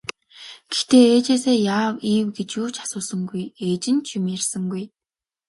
Гэхдээ ээжээсээ яав ийв гэж юу ч асуусангүй, ээж нь ч юм ярьсангүй.